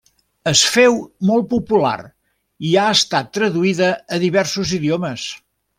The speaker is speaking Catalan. Es féu molt popular i ha estat traduïda a diversos idiomes.